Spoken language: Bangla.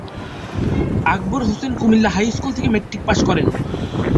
আকবর হোসেন কুমিল্লা হাইস্কুল থেকে ম্যাট্রিক পাস করেন।